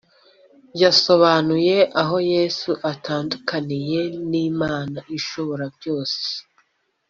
yasobanuye aho yesu atandukaniye n ‘imana ishoborabyose.